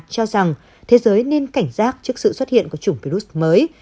cho rằng thế giới nên cảnh giác trước sự xuất hiện của chủng virus mới